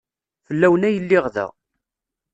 Fell-awen ay lliɣ da.